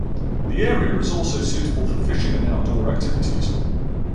The area is also suitable for fishing and outdoor activities.